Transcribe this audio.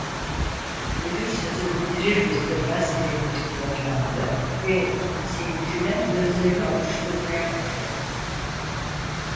Müdür sözünü bitirir bitirmez elektrikler yandı ve seyirciler gözlerini ovuşturmaya başladı.